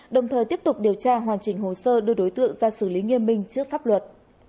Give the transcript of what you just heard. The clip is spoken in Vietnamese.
đồng thời tiếp tục điều tra hoàn chỉnh hồ sơ đưa đối tượng ra xử lý nghiêm minh trước pháp luật